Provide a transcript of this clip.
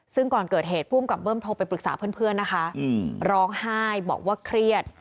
ซึ่งก่อนเกิดเหตุภูมิกับเบิ้มโทรไปปรึกษาเพื่อนนะคะร้องไห้บอกว่าเครียด